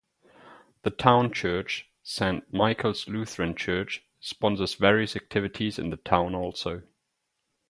The town church, Saint Michael's Lutheran Church, sponsors various activities in the town also.